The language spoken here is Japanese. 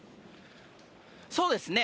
そうですね。